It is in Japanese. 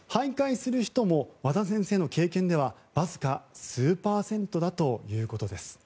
徘徊する人も和田先生の経験ではわずか数パーセントということです。